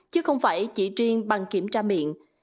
chứ không phải chỉ riêng bằng kiểm tra miệng